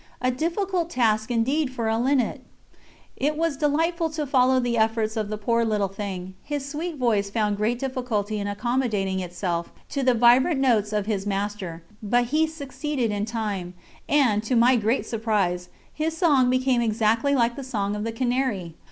A difficult task indeed for a linnet! It was delightful to follow the efforts of the poor little thing; his sweet voice found great difficulty in accommodating itself to the vibrant notes of his master, but he succeeded in time, and, to my great surprise, his song became exactly like the song of the canary.